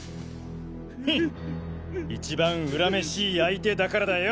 フン一番恨めしい相手だからだよ！